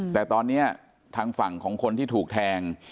แต่ตอนนี้ทางฝั่งของคนที่ถูกแทง